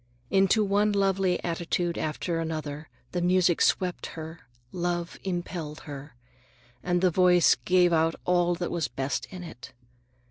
Into one lovely attitude after another the music swept her, love impelled her. And the voice gave out all that was best in it.